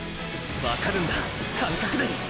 わかるんだ感覚で。